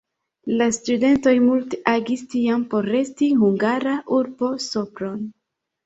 La studentoj multe agis tiam por resti hungara urbo Sopron.